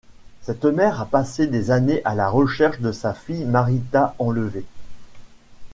Cette mère a passé des années à la recherche de sa fille Marita enlevée.